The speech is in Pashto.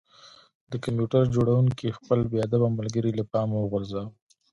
د کمپیوټر جوړونکي خپل بې ادبه ملګری له پامه وغورځاوه